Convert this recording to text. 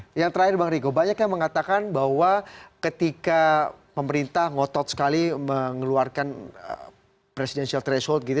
oke yang terakhir bang riko banyak yang mengatakan bahwa ketika pemerintah ngotot sekali mengeluarkan presidential threshold gitu